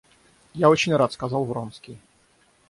Я очень рад, — сказал Вронский.